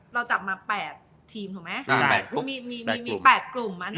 เราจับมา๘ทีมตัวไหม